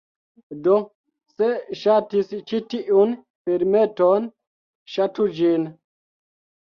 Do, se ŝatis ĉi tiun filmeton, ŝatu ĝin!